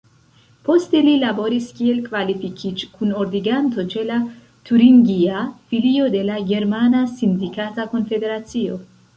Poste li laboris kiel kvalifikiĝ-kunordiganto ĉe la turingia filio de la Germana sindikata konfederacio.